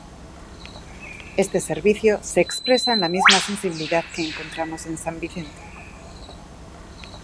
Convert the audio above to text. Este servicio se expresa en la misma sensibilidad que encontramos en san Vicente.